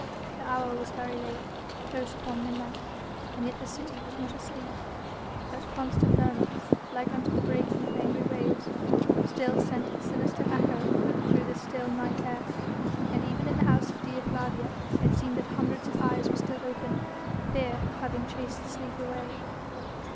The hour was very late, close upon midnight, and yet the city was not asleep. That constant murmur like unto the breaking of angry waves still sent its sinister echo through the still night air, and even in the house of Dea Flavia it seemed that hundreds of eyes were still open, fear having chased sleep away.